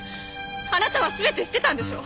あなたは全て知ってたんでしょ？